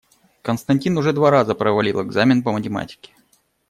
Константин уже два раза провалил экзамен по математике.